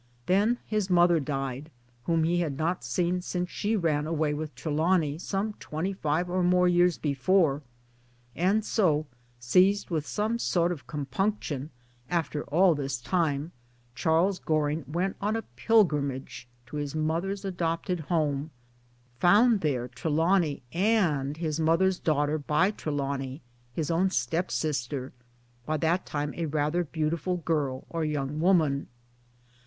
Then his mother died whom he had not seen since she ran away with Trelawny, some twenty five or more years before ; and so, seized with some sort of compunction after all this time, Charles Goring went on a pilgrimage to his mother's adopted home ; found there Trelawny and his mother's daughter by Trelawny his own stepsister, "by that time a rather beautiful girl or young woman.